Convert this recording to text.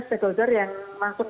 juga segeljar yang masuk